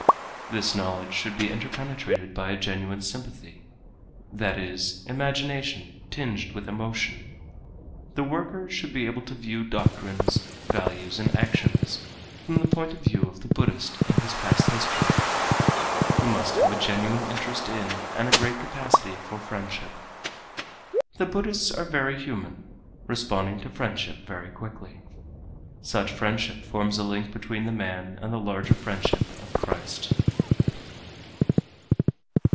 This knowledge should be interpenetrated by a genuine sympathy, that is, imagination tinged with emotion. The worker should be able to view doctrines, values and actions from the point of view of the Buddhist and his past history. He must have a genuine interest in and a great capacity for friendship. The Buddhists are very human, responding to friendship very quickly. Such friendship forms a link between the man and the larger friendship of Christ.